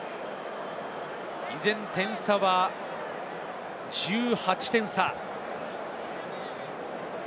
依然、点差は１８点差。